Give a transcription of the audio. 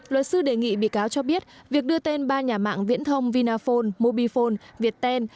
luật sư đề nghị bị cáo cho biết việc đưa tên ba nhà mạng viễn thông vinaphone mobifone viettel